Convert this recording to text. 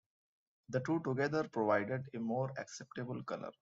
The two together provided a more acceptable color.